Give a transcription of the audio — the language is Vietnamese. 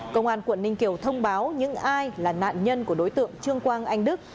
công an quận ninh kiều thông báo những ai là nạn nhân của đối tượng trương quang anh đức